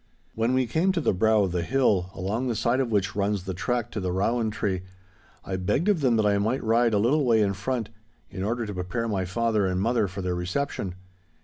When we came to the brow of the hill, along the side of which runs the track to the Rowan Tree, I begged of them that I might ride a little way in front, in order to prepare my father and mother for their reception.